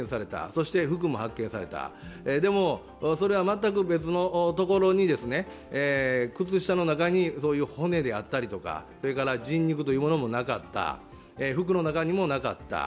そして服も発見された、でも、それは全く別のところに靴下の中にそういう骨であったりとか人肉というものもなかった服の中にもなかった。